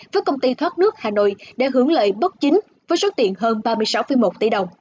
với công ty thoát nước hà nội để hưởng lợi bất chính với suất tiện hơn ba mươi sáu một tỷ đồng